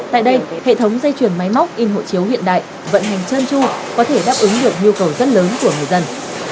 tại đây hệ thống dây chuyển máy móc in hộ chiếu hiện đại vận hành chân chu có thể đáp ứng được nhu cầu rất lớn của người dân